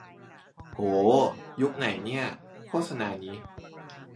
โห ยุคไหนเนี่ย โฆษณานี้